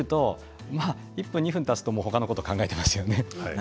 やってみると１分２分たつと他のこと考えていますよね。